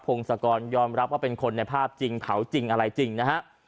พงศกรยอมรับว่าเป็นคนในภาพจริงเผาจริงอะไรจริงนะฮะ